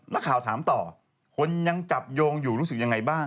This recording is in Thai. นักข่าวถามต่อคนยังจับโยงอยู่รู้สึกยังไงบ้าง